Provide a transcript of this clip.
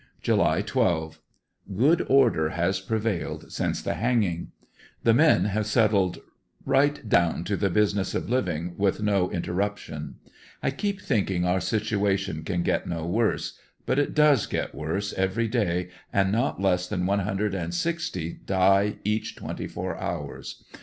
ANDERSONVILLE DIARY, 85 July 12. — Good order has prevailed since t^oVanging. The meii have settled right down to the business of ...^, with no interrup tion. I keep thinking our situation can get no worse, but it does get worse every day and not less than one hundred and sixty die each tw^enty four hours.